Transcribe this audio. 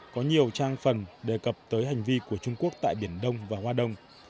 có nhiều trang phần đề cập tới hành vi của trung quốc tại biển đông và hoa đông